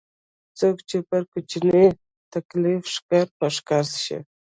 څوک چې پر کوچني تکليف ښکر په ښکر شي.